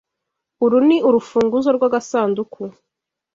Uru ni urufunguzo rw'agasanduku.